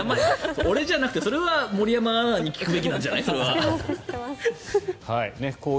俺じゃなくて森山アナに聞くべきなんじゃない？